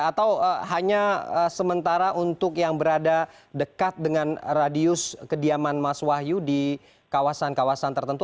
atau hanya sementara untuk yang berada dekat dengan radius kediaman mas wahyu di kawasan kawasan tertentu